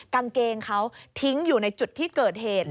กางเกงเขาทิ้งอยู่ในจุดที่เกิดเหตุ